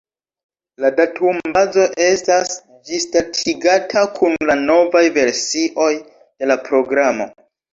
La datumbazo estas ĝisdatigata kun la novaj versioj de la programo.